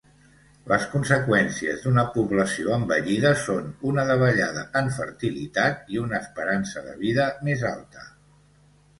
Les conseqüències d'una població envellida són una davallada en fertilitat i una esperança de vida més alta.